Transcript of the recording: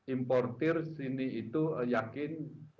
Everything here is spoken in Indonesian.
importer sini itu yakin